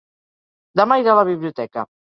Demà irà a la biblioteca.